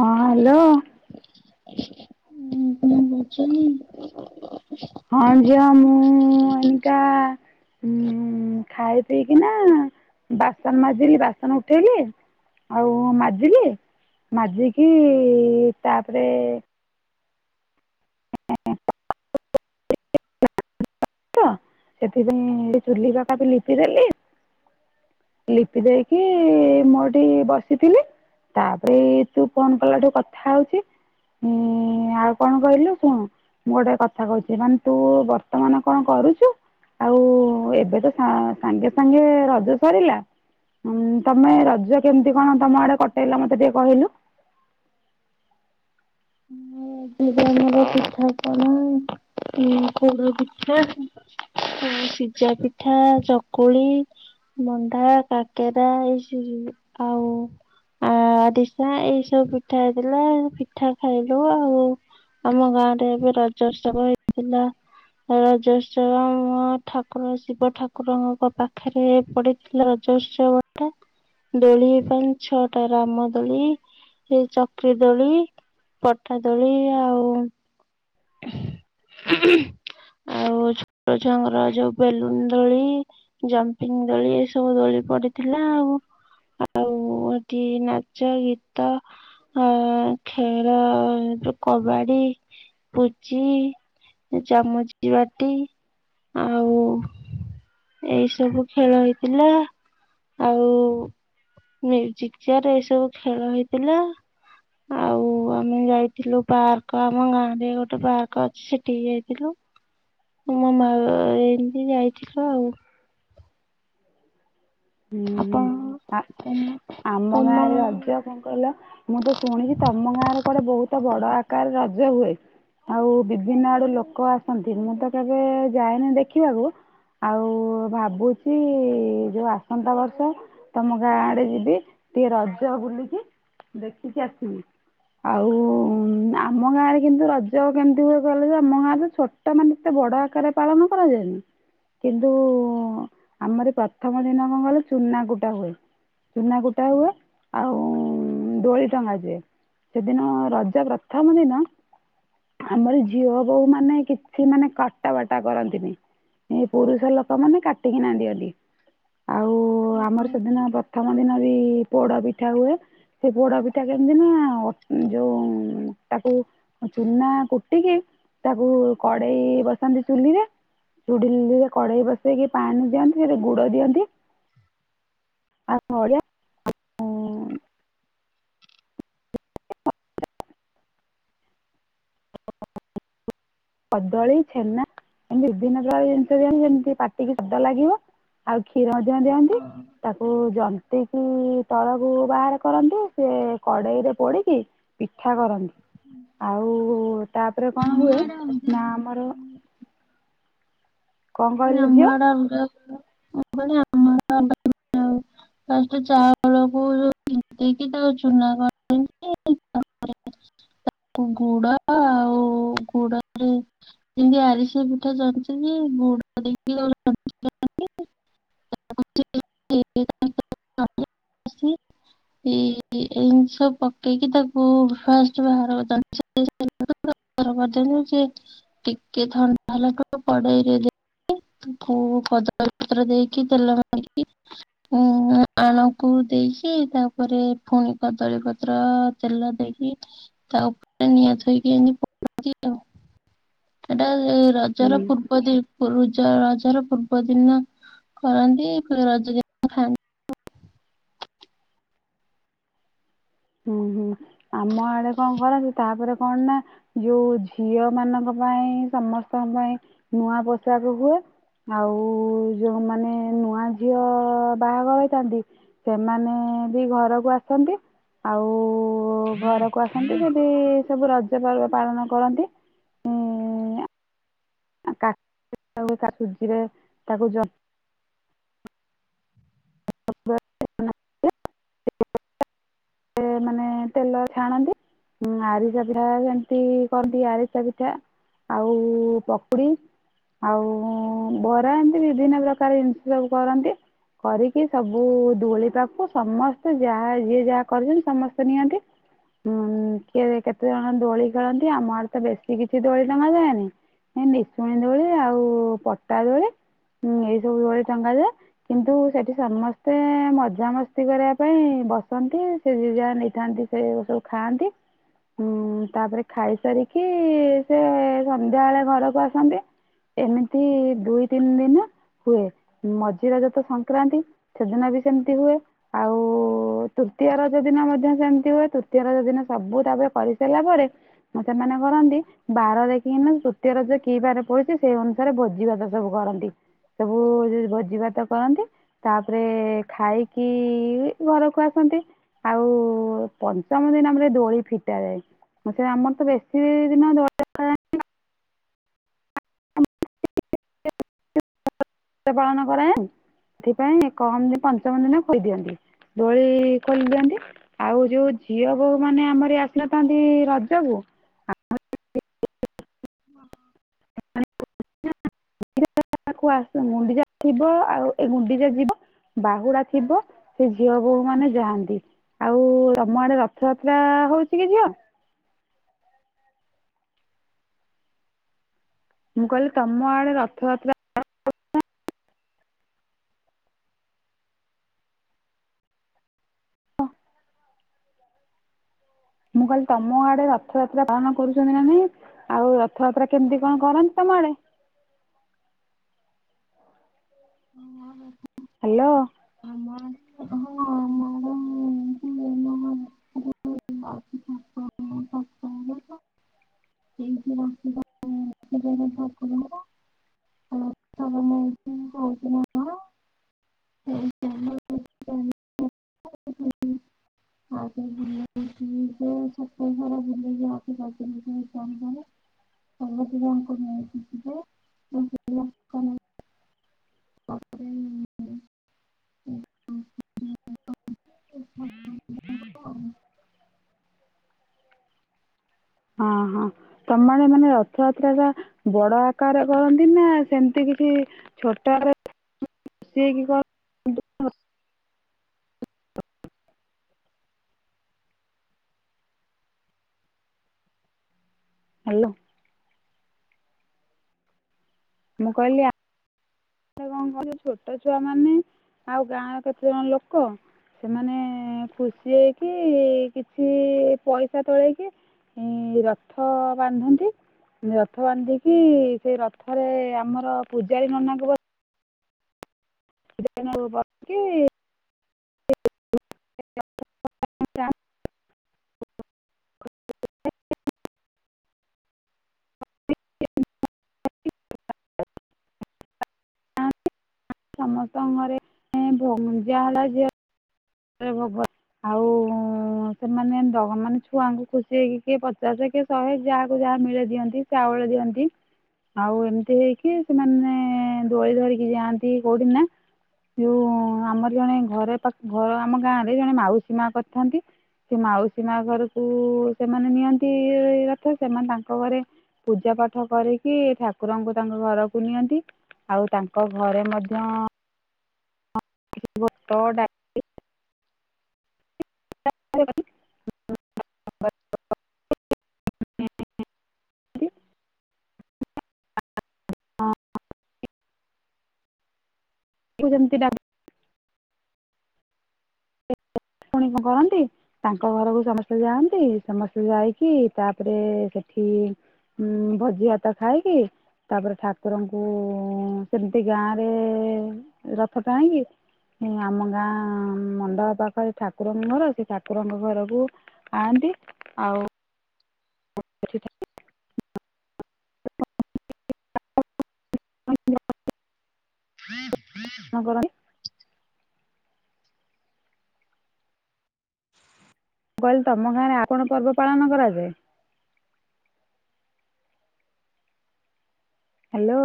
ହଁ ହାଲୋ। ହୁଁ ହୁଁ ହୁଁ। ହଁ ଝିଅ ମୁଁ ଏନକା ଉଁ ଉଁ ଖାଇ ପିଇକି ନା ବାସନ ମାଜିଲି ବାସନ ଉଠେଇଲି। ଆଉ ମାଜିଲି ମାଜିକି ତାପରେ ତ ସେଥିପାଇଁ ଚୁଲି ପାଖ ବି ଲିପି ଦେଲି। ଲିପି ଦେଇକି ମୁଁ ଏଠି ବସିଥିଲି। ତାପରେ ଏଇ ତୁ ଫୋନ କଲାଠୁ କଥା ହଉଛି। ହୁଁ ଆଉ କଣ କହିଲୁ ଶୁଣ। ମୁଁ ଗୋଟେ କଥା କହୁଛି? ମାନେ ତୁ ବର୍ତ୍ତମାନ କଣ କରୁଛୁ? ଆଉ ଏବେ ତ ସା ସାଙ୍ଗେ ସାଙ୍ଗେ ରଜ ସରିଲା ଉଁ ତମେ ରଜ କେମିତି କଣ ତମ ଆଡେ କଟେଇଲ ମତେ ଟିକେ କହିଲୁ? ହୁଁ। [unintelligible] ପିଠା କନି ପଡୋ ପିଠା। ସିଜା ପିଠା ଚକୁଳି। ମନଡା କାକେରା ହେଇଚି ସବୁ। ଆଉ ଆରିଶା ଏଇ ସବୁ ପିଠା ହେଇଥିଲା। ପିଠା ଖାଇଲୁ ଆଉ ଆମ ଗାଁରେ ଏବେ ରଜ ଉତ୍ସବ ହେଇଥିଲା। ରଜ ଉତ୍ସବ ଆମ ଗାଁ ଠାକୁର ଶିବ ଠାକୁରଙ୍କ ପାଖରେ ପଡିଥିଲେ। ଉତ୍ସବ ଟେ ଦୋଳି ପାଇଁ ଛଅଟା ରାମ ଦୋଳି ଏ ଚକ୍ରି ଦୋଳି। ପଠା ଦୋଳି ଆଉ ହୁଁ ହୁଁ। ଆଉ ଛୋଟ ଛୁଆଙ୍କର ଯୋଉ ବେଲୁନ ଦୋଳି ଜମ୍ପିଙ୍ଗ ଦୋଳି ଏ ସବୁ ଦୋଳି ପଡିଥିଲା ଆଉ। ଆଉ ଏଠି ନାଚ ଗୀତ ଅ ଖେଳ ଯୋଉ କବାଡି। ପୁଚି ଚାମଚି ବାଟି ଆଉ ଏଇ ସବୁ ଖେଳ ହେଇଥିଲା। ଆଉ ମିଉଜିକ ଚେୟାର ଏଇ ସବୁ ଖେଳ ହେଇଥିଲା। ଆଉ ଆମେ ଯାଇଥିଲୁ ପାର୍କ ଆମ ଗାଁ ରେ ଗୋ ଗୋଟେ ପାର୍କ ଅଛି ସେଠିକି ଯାଇଥିଲୁ। ମାମା ହେରିକା ଏମିତି ଯାଇଥିଲୁ ଆଉ। ହୁଁ ହୁଁ ଆ [unintelligible] ଆମ ଗାଁରେ ରଜ କଣ କହିଲ? ମୁଁ ତ ଶୁଣିଛି ତମ ଗାଁରେ କୁଆଡେ ବହୁତ ବଡ ଆ କାଳେ ରାଜ ହୁଏ। ଆଉ ବିଭିନ୍ନ ଆଡୁ ଲୋକ ଆସନ୍ତି। ମୁଁ ତ କେବେ ଯାଏନି ଦେଖିବାକୁ। ଆଉ ଭାବୁଛି ଯୋଉ ଆସ ଆସନ୍ତା ବର୍ଷ ତମ ଗାଁ ଆଡେ ଯିବି ଟିକେ ରଜ ବୁଲିକି ଦେଖିକି ଆସିବି ଆଉ ଆମ ଗାଁ ରେ କିନ୍ତୁ ରଜ କେମିତି ହୁଏ କହିଲ ଯେ ଆମ ଗାଁ ତ ଛୋଟ ମାନେଏତେ ବଡ଼ ଆକାର ରେ ପାଳନ କରାଯାଏନି କିନ୍ତୁ ଆମରି ପର୍ଥମ ଦିନ ଗଲେ ଚୁନା କୁଟା ହୁଏ ଚୁନା କୁଟା ହୁଏ ଆଉ ଦୋଳି ଟଙ୍ଗା ଯାଏ ସେଦିନ ରଜ ପ୍ରଥମ ଦିନ ଆମର ଝିଅ ବୋହୂ ମାନେ କିଛି ମାନେ କଟା ବଟା କରନ୍ତିନି। ଏ ପୁରୁଷ ଲୋକ ମାନେ କାଟିକିନା ଦିଅନ୍ତି ଆଉ ଆମର ସେଦିନ ପ୍ରଥମ ଦିନ ବି ପୋଡ ପିଠା ହୁଏ ସେ ପୋଡ ପିଠା କେମିତି ନା ଯୋଉ ତାକୁ ଚୁନା କୁଟିକି ତାକୁ କଡେଇ ବସାନ୍ତି ଚୁଲି ରେ। ଚୁଡ଼ିଲରେ କଡେଇ ବସେଇକି ପାଣି ଦିଅନ୍ତି ସେଠି ଗୁଡ ଦିଅନ୍ତି। [unintelligible] କଦଳୀ ଛେନା। ଏମିତି ବିଭିନ୍ନ ପ୍ରକାର ଜିନିଷ ଦିଅନ୍ତି ଯେମିତି ପାଟିକି ସ୍ୱାଦ ଲାଗିବ ଆଉ କ୍ଷୀର ମଧ୍ୟ ଦିଅନ୍ତି। ତାକୁ ଜନ୍ତିକି ତଳକୁ ବାହାର କରନ୍ତି ସେ କଡେଇ ରେ ପୋଡିକି ପିଠା କରନ୍ତି। ଆଉ ତାପରେ କଣ ହୁଏ ଅଲଗା ନା ପ୍ରକାର ଆମର କଣ କହିଲ ଝିଅ? [inaudible] ଫାଷ୍ଟେ ଚାଉଳ କୁ ତିନ୍ତେଇକି ତାକୁ ଚୁନା କରନ୍ତି ତା ପରେ [unintelligible] ଗୁଡ ଆଉ ଗୁଡରେ ଯେମତି ଆରିସି ପିଠା ଜ ଯେ [inaudible] [inaudible] ଏଇ ଏଇ ଏମିତି ସବୁ ପକେଇକି ତାକୁ ଫାଷ୍ଟ ବାହାର [unintelligible] [inaudible] ତାକୁ କଦଳୀ ପତ୍ର ଦେଇକି ତେଲ ମାରିକି ଉଁ ଆଣକୁ ଦେଇକି ତାପରେ ପୁଣି କଦଳୀ ପତ୍ର ତେଲ ଦେଇ ତା ଉପରେ ନିଆଥୋଇକି ଏମିତି ପୋଡ଼ନ୍ତି ଆଉ ଏଟା ସେ ରଜ ର ହୁଁ ପୂର୍ବ ଦି ରଜ ରଜ ର ପୂର୍ବ ଦିନ କରନ୍ତି ଫୁଣି ରଜ ଦିନ [inaudible] ହୁଁ ହୁଁ ଆମ ଆଡେ କଣ କରନ୍ତି ତାପରେ କଣ ନା ଯୋଉ ଝିଅ ମାନଙ୍କ ପାଇଁ ସମସ୍ତଙ୍କ ପାଇଁ ନୂଆ ପୋଷାକ ହୁଏ। ଆଉ ଯୋଉମାନେ ନୂଆ ଝିଅ ବାହାଘର ହେଇଥାନ୍ତି ସେମାନେ ବି ଘରକୁ ଆସନ୍ତି ଆଉ ଘରକୁ ଆସନ୍ତି ଯଦି ସବୁ ରଜ ପର୍ବ ପାଳନ କରନ୍ତି। ଉଁ କା ସୁଜିରେ ତାକୁ ଜ [inaudible] ସେ ମାନେ ତେଲ ଛାଣନ୍ତି। ହୁଁ ଆରିସା ପିଠା ସେମତି କରନ୍ତି ଆରିସା ପିଠା। ଆଉ ପକୁଡି। ଆଉ ଭରା ଏନ୍ତି ବିଭିନ୍ନ ପ୍ରକାର ଜିନିଷ ସବୁ କରନ୍ତି। କରିକି ସବୁ ଦୋଳି ପାଖକୁ ସମସ୍ତେ ଯାହା ଯିଏ ଯାହା କରିଛନ୍ତି ସମସ୍ତେ ନିଅନ୍ତି। ହଁ କିଏ କେତେ ଜଣ ଦୋଳି ଖେଳନ୍ତି ଆମ ଆଡେ ତ ବେଶୀ କିଛି ଦୋଳି ଟଙ୍ଗାଯାଏନି। ସେ ନିସୁଣୀ ଦୋଳି ଆଉ ପଟା ଦୋଳି। ହୁଁ ଏଇ ସବୁ ଭଳି ଟଙ୍ଗା ଯାଏ। କିନ୍ତୁ ସେଠି ସମସ୍ତେ ମଜାମସ୍ତି କରିବା ପାଇଁ ବସନ୍ତି ସେ ଯିଏ ଯାହା ନେଇଥାନ୍ତି। ସେ ସବୁ ଖାଆନ୍ତି। ଉଁ ତାପରେ ଖାଇସାରିକି ସେ ସନ୍ଧ୍ୟା ବଳେ ଘରକୁ ଆସନ୍ତି। ଏମିତି ଦୁଇ ତିନି ଦିନ ହୁଏ ମଝି ରଜ ତ ସଂକ୍ରାନ୍ତି ସେଦିନ ବି ସେମିତି ହୁଏ। ଆଉ ତୃତୀୟ ରଜ ଦିନ ମଧ୍ୟ ସେମିତି ହୁଏ। ତୃତୀୟ ରଜ ଦିନ ସବୁ ତାପରେ କରିସାରିଲା ପରେ ସେମାନେ କରନ୍ତି ବାର ଦେଖିକିନା ତୃତୀୟ ରଜ କି ବାରେ ପଡୁଚି ସେଇ ଅନୁସାରେ ଭୋଜି ଭାତ ସବୁ କରନ୍ତି। ସବୁ ଯଦି ଭୋଜିଭାତ କରନ୍ତି ତାପରେ ଖାଇକି କି ଘରକୁ ଆସନ୍ତି ଆଉ ପଞ୍ଚମ ଦିନ ପରେ ଦୋଳି ଫିଟା ଯାଏ। ସେ ଆମର ତ ବେଶୀ ଦିନ ଦୋଳି ରଖାଯାଏନି କା [unintelligible] ପାଳନ କରାଯାଏନି ସେଥିପାଇଁ କହନ୍ତି ପଞ୍ଚମ ଦିନ ଖୋଇଦିଅନ୍ତି। ଦୋଳି ଖୋଲିଦିଅନ୍ତି ଆଉ ଯୋଉ ଝିଅ ବୋହୁ ମାନେ ଆମର ଆସନଥାନ୍ତି ରଜକୁ ହଁ। [unintelligible] ଗୁଣ୍ଡିଚା ଯିବ ଆଉ ଏ ଗୁଣ୍ଡିଚା ଯିବ ବାହୁଡା ଥିବ ସେ ଝିଅ ବୋହୂ ମାନେ ଯାଆନ୍ତି ଆଉ ତମ ଆଡେ ରଥଯାତ୍ରା ହୋଉଚି କି ଝିଅ? ମୁଁ କହିଲି ତମ ଆଡେ ରଥଯାତ୍ରା। [unintelligible] ମୁଁ କହିଲି ତମ ଆଡେ ରଥଯାତ୍ରା ପାଳନ କରୁଚନ୍ତି ନା ନାଇଁ ଆଉ ରଥଯାତ୍ରା କେମିତି କଣ କରନ୍ତି ତମ୍ ମ ଆଡେ। [inaudible] ଆମର ଏ ହାଲୋ। ଆମ ଆଡେ ହଁ। [unintelligible] [unintelligible] ଅହଁ ତମ ଆଡେ ମାନେ ରଥଯାତ୍ରା ଟା ବଡ ଆକାର କରନ୍ତି ନା ସେମିତି କିଛି ନ୍ତି ଛୋଟୋ [unintelligible] ଖୁସି ହେଇକି। [unintelligible] ହାଲୋ। ମୁଁ କହିଲି ଆ ଙ୍କର ଯୋଉ ଛୋଟୋ ଛୁଆ ମାନେ ଆଉ ଗାଁର କେତେ ଜଣ ଲୋକୋ ସେମାନେ ଖୁସି ହେଇକି କିଛି ପଇସା ତୋଳେଇକି ଇଁ ରଥ ବାନ୍ଧନ୍ତି। ମାନେ ରଥ ବାନ୍ଧିକି ସେଇ ରଥରେ ଆମର ପୂଜାରୀ ନନାଙ୍କୁ ବ ପୂଜାରୀ ନନାଙ୍କୁ ବସିକି। [unintelligible] [unintelligible] ଯାନ୍ତି ସମସ୍ତଙ୍କ ଘରେ ଏଁ ଭୋ ଜାହା ହେଲା ଝିଅ [unintelligible] ଆଉ ସେମାନେ ଡଃ ମାନେ ଛୁଆଙ୍କୁ ଖୁସି ହେଇକି କିଏ ପଚାଶେ କିଏ ଶହେ ଯାହାକୁ ଯାହା ମିଳେ ଦିଅନ୍ତି ଚାଉଳ ଦିଅନ୍ତି। ଆଉ ଏମିତି ହେଇକି ସେମାନେ ଦୋଳି ଧରିକି ଯାଆନ୍ତି କୋଉଠିକୀ ନା ଯୋଉ ଆମରି ଜଣେ ଘରେ ପାଖ ଘର ଆମ ଗାଁ ରେ ଜଣେ ମାଉସୀ ମାଆ କରିଥାନ୍ତି। ସେ ମାଉସୀ ମାଆ ଘରୁକୁ ସେମାନେ ନିଅନ୍ତି ରଥ ସେମାନେ ତାଙ୍କ ଘରେ ପୂଜା ପାଠ କରିକି ଠାକୁରଙ୍କୁ ତାଙ୍କ ଘରକୁ ନିଅନ୍ତି। ଆଉ ତାଙ୍କ ଘରେ ମଧ୍ୟ [unintelligible] [inaudible] ଡାଲି [inaudible] [unintelligible] [inaudible] ଫୁଣି କଁ କରନ୍ତି ତାଙ୍କ ଘରକୁ ସମସ୍ତେ ଯାଆନ୍ତି ସମସ୍ତେ ଯାଇକି ତାପରେ ସେଠ ସିଏ ଉଁ ଭୋଜି ଭାତ ଖାଇକି ତାପରେ ଠାକୁରଙ୍କୁ ଉଁ ସେମିତି ଗାଁ ରେ ରଥ ଟାଣିକି ଆମ ଗାଁ ମ ତା ପାଖରେ ଠାକୁରଙ୍କ ଘର ସେ ଠାକୁରଙ୍କ ଘରକୁ ଆଣନ୍ତି। ଆଉ [unintelligible] [unintelligible] ପାଳନ କରନ୍ତି ମୁଁ କହିଲି ତମ ଗାଁରେ ଆଉ କଣ ପର୍ବ ପାଳନ କରାଯାଏ? ହ୍ୟାଲୋ।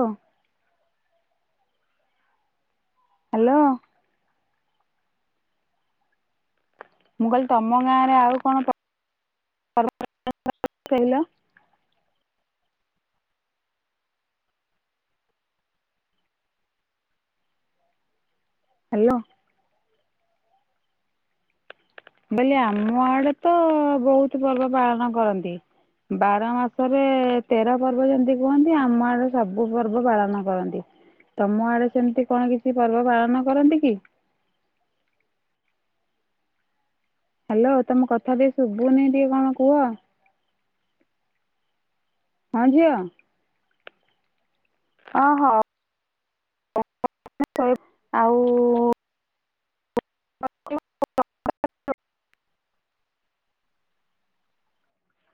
ହ୍ୟାଲୋ। ମୁଁ କହିଲି ତମ ଗାଁ ରେ ଆଉ କଣ ପ [unintelligible] ହାଲୋ। ବେଲି ଆମ ଆଡେ ତ ବହୁତ ପର୍ବ ପାଳନ କରନ୍ତି। ବାର ମାସରେ ତେର ପର୍ବ ଯେମିତି କୁହନ୍ତି, ଆମ ଆଡେ ସବୁ ପର୍ବ ପାଳନ କରନ୍ତି। ତମ ଆଡେ ସେମିତି କଣ କିଛି ପର୍ବ ପାଳନ କରନ୍ତି କି? ହ୍ୟାଲୋ ତମ କଥା କିଛି ଶୁଭୁନି ଟିକେ କଣ କୁହ? ହଁ ଝିଅ ଅ ହଉ। [unintelligible] ଆଉ